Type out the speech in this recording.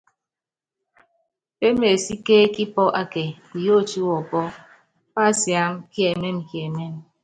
Pémésíkékí pɔ́ akɛ kuyótí wɔpɔ́, pásiáma kiɛmɛ́mɛkiɛmɛ́mɛ.